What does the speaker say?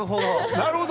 なるほど！